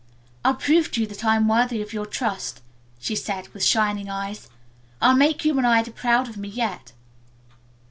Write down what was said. "I'll prove to you that I am worthy of your trust," she said with shining eyes. "I'll make you and Ida proud of me yet."